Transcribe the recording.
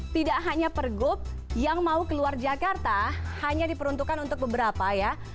tidak hanya pergub yang mau keluar jakarta hanya diperuntukkan untuk beberapa ya